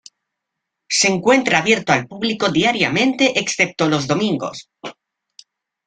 Se encuentra abierto al público diariamente excepto los domingos.